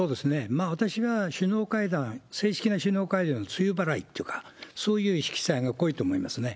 私が首脳会談、正式な首脳会談の露払いというか、そういう色彩が濃いと思いますね。